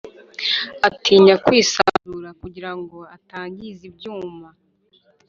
atinya kwisanzura kugira ngo atangiza ibyuma,